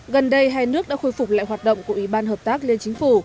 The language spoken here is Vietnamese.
gần đây hai nước đã khôi phục lại hoạt động của ủy ban hợp tác liên chính phủ